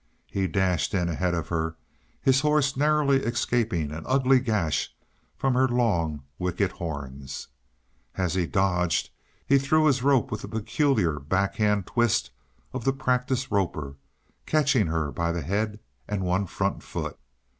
He dashed in ahead of her, his horse narrowly escaping an ugly gash from her long, wicked horns. As he dodged he threw his rope with the peculiar, back hand twist of the practiced roper, catching her by the head and one front foot.